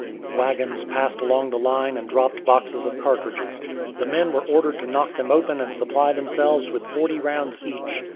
Wagons passed along the line and dropped boxes of cartridges. The men were ordered to knock them open and supply themselves with forty rounds each.